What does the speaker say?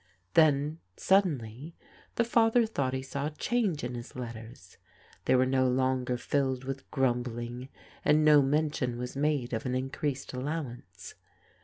Then suddenly the father thought he saw a change in his letters. They were no longer filled with grumbling, and no mention was made of an increased allowance.